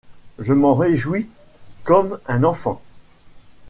Je m'en réjouis comme un enfant.